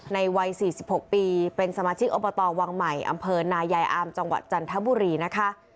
ในวัย๔๖ปีเป็นสมาชิกอบตวังใหม่อำเภอนายายอามจังหวัดจันทบุรีนะคะ